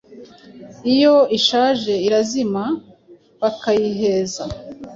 Iyo ishaje irazima bakayiheza